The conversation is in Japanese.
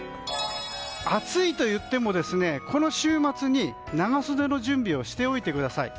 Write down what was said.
暑いといっても、この週末に長袖の準備をしておいてください。